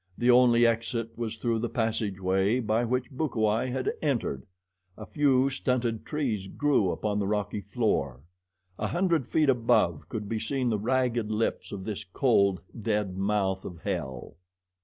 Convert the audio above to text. The only exit was through the passageway by which Bukawai had entered. A few stunted trees grew upon the rocky floor. A hundred feet above could be seen the ragged lips of this cold, dead mouth of hell.